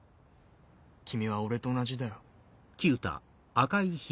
君は俺と同じだよ。